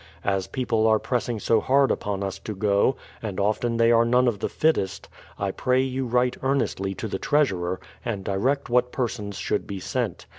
As people are pressing so hard upon us to go, and often they are none of the fittest, I pray you write earnestly to the treasurer, and direct what persons should be sent.